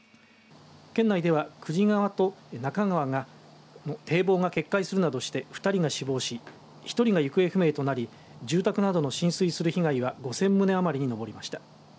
県内では、久慈川と那珂川の堤防が決壊するなどして２人が死亡し１人が行方不明となり住宅などの浸水する被害は５０００棟余りに上りました。